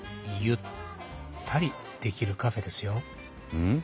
うん？